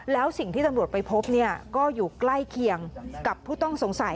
แล้วสิ่งที่ตำรวจไปพบเนี่ยก็อยู่ใกล้เคียงกับผู้ต้องสงสัย